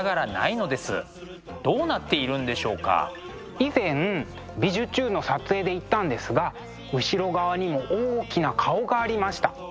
以前「びじゅチューン！」の撮影で行ったんですが後ろ側にも大きな顔がありました。